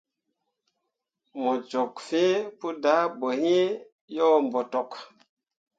Mu cok fin pu dah boyin yo botok.